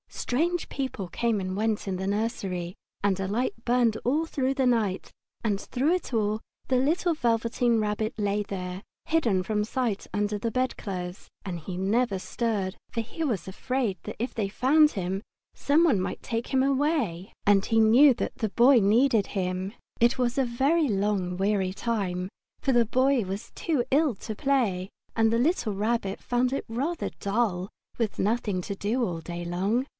Strange people came and went in the nursery, and a light burned all night and through it all the little Velveteen Rabbit lay there, hidden from sight under the bedclothes, and he never stirred, for he was afraid that if they found him some one might take him away, and he knew that the Boy needed him. It was a long weary time, for the Boy was too ill to play, and the little Rabbit found it rather dull with nothing to do all day long.